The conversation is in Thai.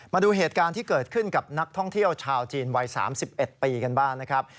มาดูเหตุการณ์ที่เกิดขึ้นกับนักท่องเที่ยวชาวจีนวัย๓๑ปีกันบ้างนะครับ